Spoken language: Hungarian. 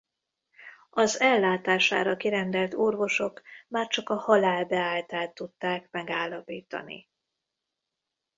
Az ellátására kirendelt orvosok már csak a halál beálltát tudták megállapítani.